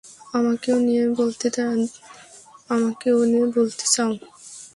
আমাকে ও নিয়ে বলতে চাও?